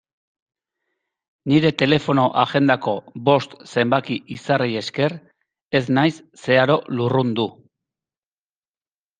Nire telefono-agendako bost zenbaki izarrei esker ez naiz zeharo lurrundu.